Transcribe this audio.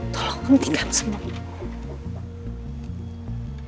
tolong hentikan semua ini